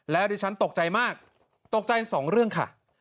ดิฉันตกใจมากตกใจสองเรื่องค่ะ